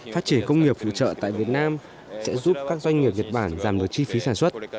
phát triển công nghiệp phụ trợ tại việt nam sẽ giúp các doanh nghiệp nhật bản giảm được chi phí sản xuất